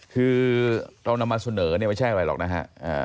คือเรานำมาเสนอเนี่ยไม่ใช่อะไรหรอกนะฮะ